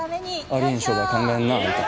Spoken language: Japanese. ありえん商売考えんなあんた。